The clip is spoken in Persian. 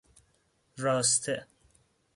راسته